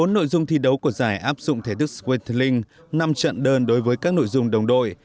một mươi bốn nội dung thi đấu của giải áp dụng thể thức squatling năm trận đơn đối với các nội dung đồng đội